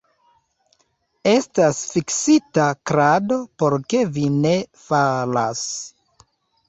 Estas fiksita krado, por ke vi ne falas!